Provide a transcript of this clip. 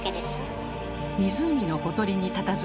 湖のほとりにたたずむ